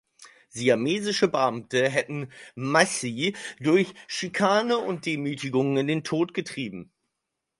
Siamesische Beamte hätten Massie durch Schikane und Demütigungen in den Tod getrieben.